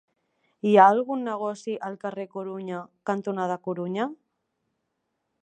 Hi ha algun negoci al carrer Corunya cantonada Corunya?